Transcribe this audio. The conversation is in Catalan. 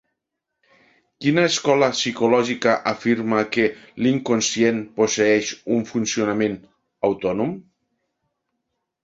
Quina escola psicològica afirma que l'inconscient posseeix un funcionament autònom?